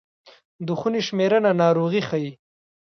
د خونې شمېرنه ناروغي ښيي.